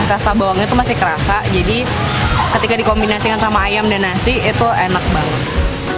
rasa bawangnya itu masih kerasa jadi ketika dikombinasikan sama ayam dan nasi itu enak banget